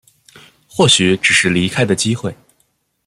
或许只是离开的机会